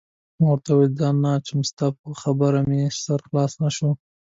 ما ورته وویل: ځان نه اچوم، ستا په خبره مې سر خلاص نه شو.